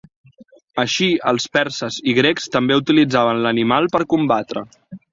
Així els perses i grecs també utilitzaven l'animal per combatre.